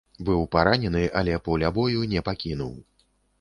Быў паранены, але поля бою не пакінуў.